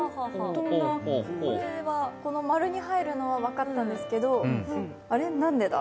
○に入るのは分かったんですけどあれ、なんでだ？